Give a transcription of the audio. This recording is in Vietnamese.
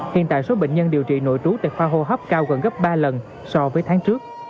hiện tại số bệnh nhân điều trị nội trú tại khoa hô hấp cao gần gấp ba lần so với tháng trước